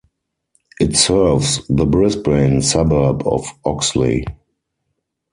It serves the Brisbane suburb of Oxley.